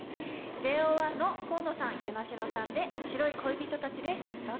ＪＯ１の河野さん、與那城さんで「白い恋人達」です、どうぞ。